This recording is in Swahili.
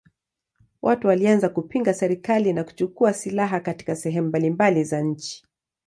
Watu walianza kupinga serikali na kuchukua silaha katika sehemu mbalimbali za nchi.